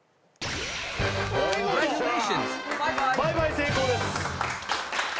倍買成功です